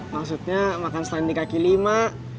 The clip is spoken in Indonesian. maksudnya makan selain di kaki lima